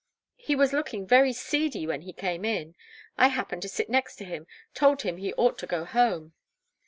"He was looking very seedy when he came in. I happened to sit next to him told him he ought to go home.